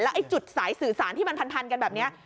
ไอ้จุดสายสื่อสารที่มันพันกันแบบนี้